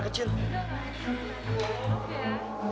enggak mas enggak